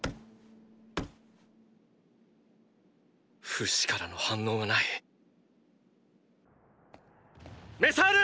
フシからの反応がないメサール